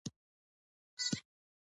آیا د موبایل له لارې پیسې نه ورکول کیږي؟